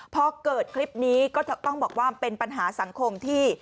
พอเกิดคลิปนี้ก็ต้องบอกว่าเป็นปัญหาสังคมที่